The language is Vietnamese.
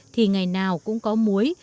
thì ngày nào cũng có muối